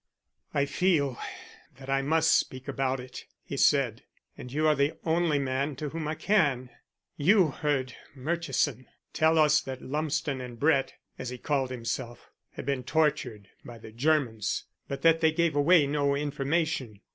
"I feel that I must speak about it," he said. "And you are the only man to whom I can. You heard Murchison tell us that Lumsden and Brett, as he called himself, had been tortured by the Germans but that they gave away no information.